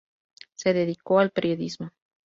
Se dedicó al periodismo.